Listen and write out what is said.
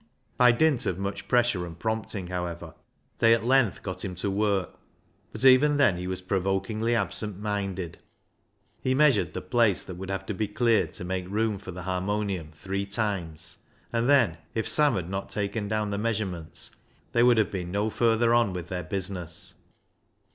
By dint of much pressure and prom.pting, however, they at length got him to work, but even then he was provokingly absent minded. He measured the place that would have to be cleared to make room for the harm.onium three times, and then if Sam had not taken down the measurements they would have been no further on with their business.